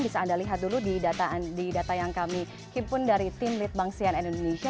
bisa anda lihat dulu di data yang kami himpun dari tim litbang sian indonesia